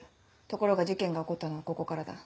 ところが事件が起こったのはここからだ。